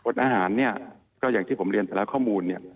อาหารเนี่ยก็อย่างที่ผมเรียนไปแล้วข้อมูลเนี่ย